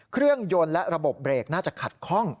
เครื่องยนต์และระบบเบรกน่าจะขัดคล่อง